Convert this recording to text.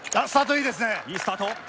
いいスタート。